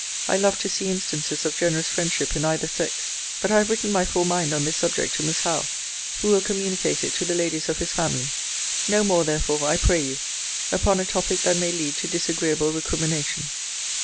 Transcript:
I love to see instances of generous friendship in either sex. But I have written my full mind on this subject to Miss Howe, who will communicate it to the ladies of his family. No more, therefore, I pray you, upon a topic that may lead to disagreeable recrimination.